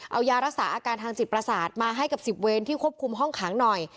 เอายารักษาอาการทางจิตประสาทมาให้กับ๑๐เวรที่ควบคุมห้องขังหน่อย